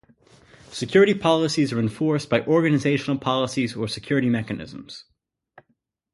Security policies are enforced by organizational policies or security mechanisms.